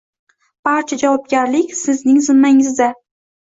Barcha javobgarlik sizning zimmangizda.